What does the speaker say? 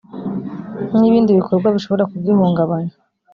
n ibindi bikorwa bishobora kugihungabanya